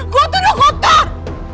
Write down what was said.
gue tuh udah kotor